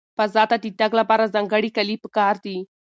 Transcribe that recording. فضا ته د تګ لپاره ځانګړي کالي پکار دي.